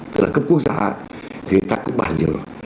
tức là cấp quốc gia thì người ta cũng bàn nhiều lần